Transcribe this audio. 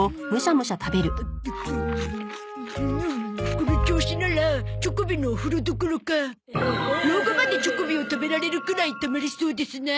この調子ならチョコビのお風呂どころか老後までチョコビを食べられるくらいたまりそうですな。